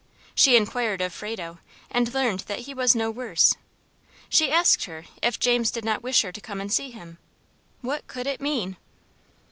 She inquired of Frado, and learned that he was no worse. She asked her if James did not wish her to come and see him; what could it mean?